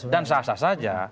dan sah sah saja